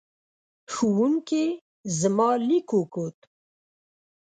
ښوونکې زما لیک وکوت.